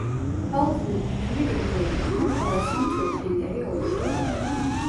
Halkının önemli bir bölümünü Horasan Türkmenleri oluşturur.